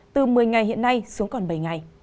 từ một mươi ngày hiện nay xuống còn bảy ngày